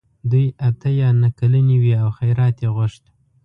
دوی اته یا نهه کلنې وې او خیرات یې غوښت.